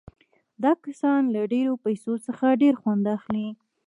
دا کسان له ډېرو پیسو څخه ډېر خوند اخلي